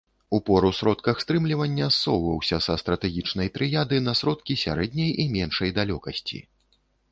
Упор у сродках стрымлівання ссоўваўся са стратэгічнай трыяды на сродкі сярэдняй і меншай далёкасці.